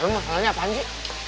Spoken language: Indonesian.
masalahnya apa anji